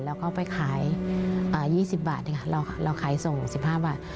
แล้วก็ไปขาย๒๐บาทเราขายส่ง๑๕บาท